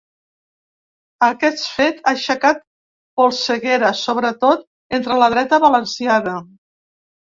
Aquest fet ha aixecat polseguera, sobretot entre la dreta valenciana.